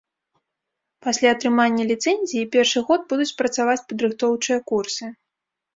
Пасля атрымання ліцэнзіі першы год будуць працаваць падрыхтоўчыя курсы.